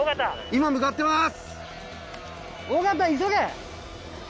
今向かってます。